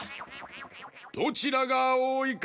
どちらがおおいか